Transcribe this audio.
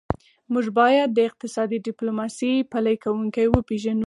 موږ باید د اقتصادي ډیپلوماسي پلي کوونکي وپېژنو